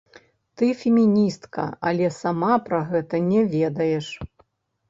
Ты феміністка, але сама пра гэта не ведаеш!